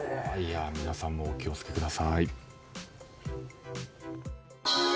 皆さんもお気を付けください。